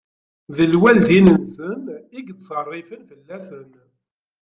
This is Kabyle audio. D lwaldin-nsen i yettṣerrifen fell-asen.